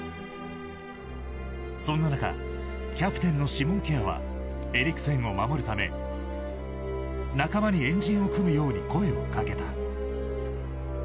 そんな中キャプテンのシモン・ケアはエリクセンを守るため仲間に円陣を組むように声をかけた。